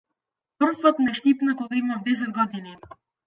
Првпат ме штипна кога имав десет години.